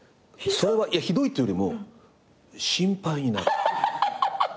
それはひどいっていうよりも心配になる。